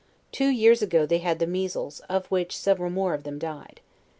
Two years ago they had the measles, of which several more of them died.